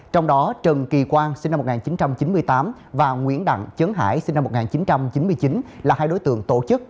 trong đó trần kỳ quang sinh năm một nghìn chín trăm chín mươi tám và nguyễn đặng trấn hải sinh năm một nghìn chín trăm chín mươi chín là hai đối tượng tổ chức